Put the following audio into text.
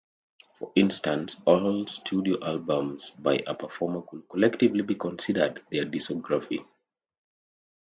For instance, all studio albums by a performer could collectively be considered their discography.